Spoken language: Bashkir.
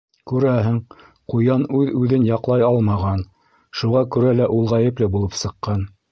— Күрәһең, ҡуян үҙен үҙе яҡлай алмаған, шуға күрә лә ул ғәйепле булып сыҡҡан.